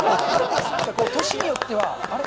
年によっては、あれ？